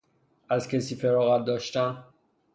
از کسی فراغت داشتن